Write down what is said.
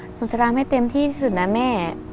หนูจะร้องให้เต็มที่ที่สุดนะแม่